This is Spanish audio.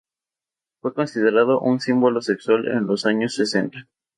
Fue considerada un símbolo sexual en los años sesenta.